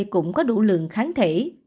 cũng có đủ lượng kháng thể